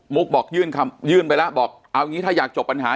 บอกยื่นคำยื่นไปแล้วบอกเอาอย่างนี้ถ้าอยากจบปัญหา